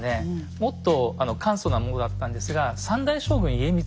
もっと簡素なものだったんですが３代将軍家光